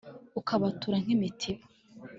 Ukabatura nk'imitiba,